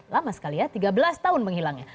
lama sekali ya tiga belas tahun menghilangnya